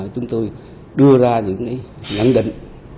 chúng tôi đưa ra những nhận định